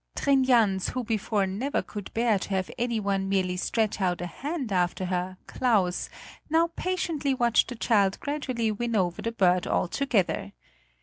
Trin Jans who before never could bear to have anyone merely stretch out a hand after her "Claus," now patiently watched the child gradually win over the bird altogether.